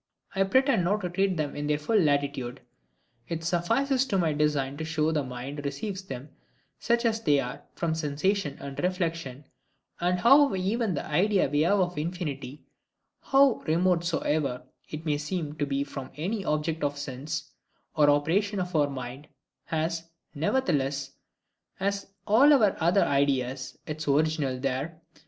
I pretend not to treat of them in their full latitude. It suffices to my design to show how the mind receives them, such as they are, from sensation and reflection; and how even the idea we have of infinity, how remote soever it may seem to be from any object of sense, or operation of our mind, has, nevertheless, as all our other ideas, its original there.